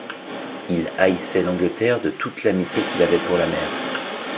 Il haïssait l’Angleterre de toute l’amitié qu’il avait pour la mer.